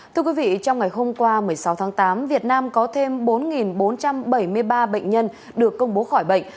thưa quý vị trong ngày hôm qua một mươi sáu tháng tám việt nam có thêm bốn bốn trăm bảy mươi ba bệnh nhân được công bố khỏi bệnh